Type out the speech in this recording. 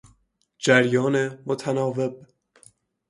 جریان متناوب